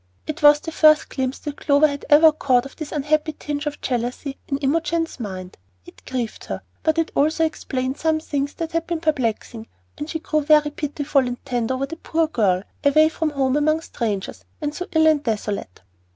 It was the first glimpse that Clover had ever caught of this unhappy tinge of jealousy in Imogen's mind; it grieved her, but it also explained some things that had been perplexing, and she grew very pitiful and tender over the poor girl, away from home among strangers, and so ill and desolate.